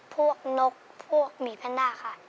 พวกนกพวกหมีแพนด้าค่ะ